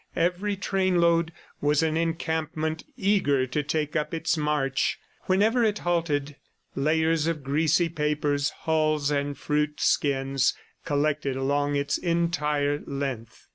Every train load was an encampment eager to take up its march; whenever it halted, layers of greasy papers, hulls and fruit skins collected along its entire length.